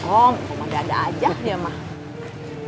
om kok mah dada aja dia mah